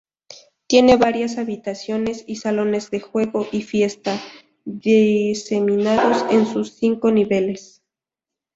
Tiene varias habitaciones y salones de juego y fiesta, diseminados en sus cinco niveles.